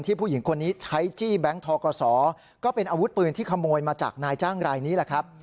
ผู้หญิงคนนี้ใช้จี้แบงค์ทกศก็เป็นอาวุธปืนที่ขโมยมาจากนายจ้างรายนี้แหละครับ